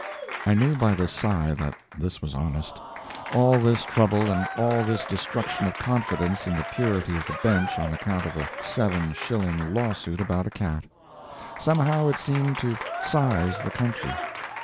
I knew by the sigh that this was honest. All this trouble and all this destruction of confidence in the purity of the bench on account of a seven shilling lawsuit about a cat! Somehow, it seemed to "size" the country.